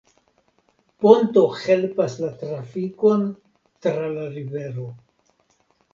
Ponto helpas la trafikon tra la rivero.